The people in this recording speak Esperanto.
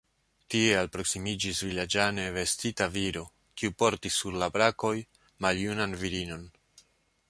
Tie alproksimiĝis vilaĝane vestita viro, kiu portis sur la brakoj maljunan virinon.